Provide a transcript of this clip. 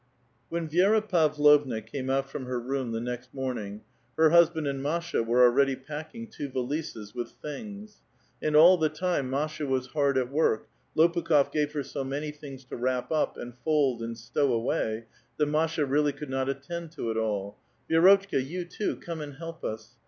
When Vi^ra Pavlovna came out from her room the next enoming, her husband and Masha were already packing two valises with things. And all the time Masha was hard at v^ork ; Lopukh6f gave her so man}' things to wrap u[), and fold, and stow away, that Masha really could not attend to It all. *' Vi^rotchka, you, too, come and help us."